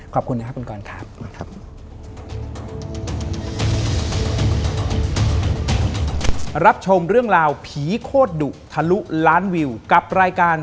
ขอบคุณครับคุณกร